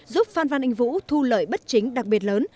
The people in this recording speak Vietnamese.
giúp phan văn anh vũ thu lợi bất chính đặc biệt lớn